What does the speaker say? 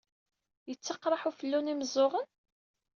Yettaqraḥ ufellu n yimeẓẓuɣen?